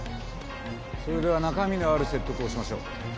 それでは中身のある説得をしましょう。